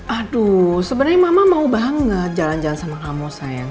aduh sebenarnya mama mau banget jalan jalan sama kamu sayang